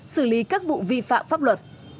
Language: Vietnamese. xử lý các vụ vi phạm pháp luật